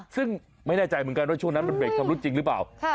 ซึ่งไม่แน่ใจเหมือนกันว่าช่วงนั้นมันเรกชำรุดจริงหรือเปล่า